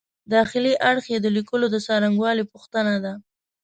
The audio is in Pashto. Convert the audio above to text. داخلي اړخ یې د لیکلو د څرنګوالي پوښتنه ده.